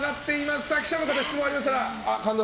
記者の方、質問ありましたら。